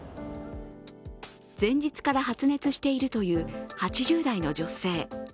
前日から発熱しているという８０代の女性。